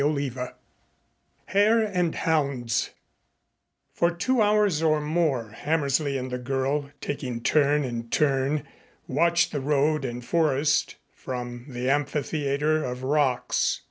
CHAPTER XXI HARE AND HOUNDS For two hours or more, Hammersley and the girl, taking turn and turn, watched the road and forest from the amphitheater of rocks.